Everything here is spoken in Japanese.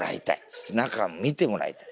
そして中見てもらいたい。